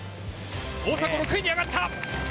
大迫、６位に上がった。